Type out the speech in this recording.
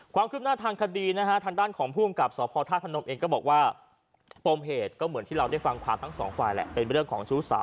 ความคืบหน้าทางคดีนะฮะทางด้านของภูมิกับสพธาตุพนมเองก็บอกว่าปมเหตุก็เหมือนที่เราได้ฟังความทั้งสองฝ่ายแหละเป็นเรื่องของชู้สาว